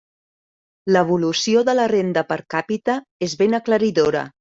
L'evolució de la renda per càpita és ben aclaridora.